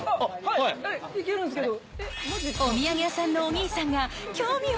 いけるんすけど。